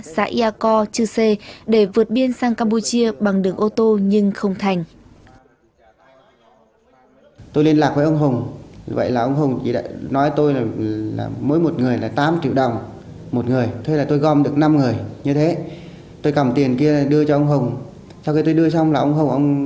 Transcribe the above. xã yà co trư xê để vượt biên sang campuchia bằng đường ô tô nhưng không thành